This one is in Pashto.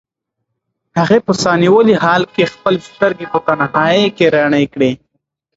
هغې په ساه نیولي حال کې خپلې سترګې په تنهایۍ کې رڼې کړې.